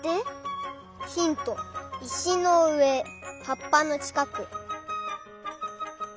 ヒントいしのうえはっぱのちかく。